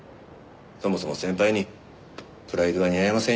そもそも先輩にプライドは似合いませんよ。